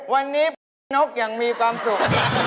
วันนี้พบนกอย่างมีความสุข